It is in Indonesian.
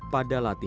pada laluan ini